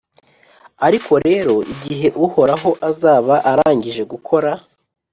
Ariko rero, igihe Uhoraho azaba arangije gukora